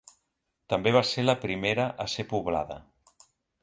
També va ser la primera a ser poblada.